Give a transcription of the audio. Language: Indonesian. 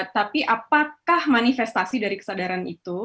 tapi apakah manifestasi dari kesadaran itu